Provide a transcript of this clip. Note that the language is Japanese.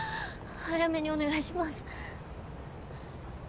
早めにお願いします。